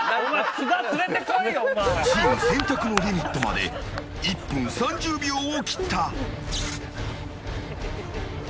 チーム選択のリミットまで１分３０秒を切った。